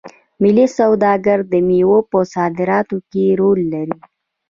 ملي سوداګر د میوو په صادراتو کې رول لري.